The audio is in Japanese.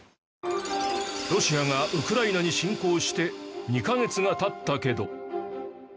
ロシアがウクライナに侵攻して２か月が経ったけど。